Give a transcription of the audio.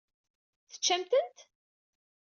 Teččam-tent?